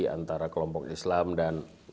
antara kelompok islam dan